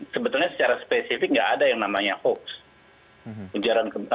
sebetulnya secara spesifik nggak ada yang namanya hoax